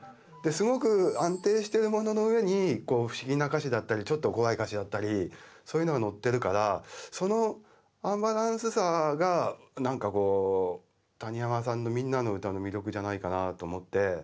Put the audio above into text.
すごく安定してるものの上に不思議な歌詞だったりちょっと怖い歌詞だったりそういうのがのってるからそのアンバランスさがなんかこう谷山さんの「みんなのうた」の魅力じゃないかなと思って。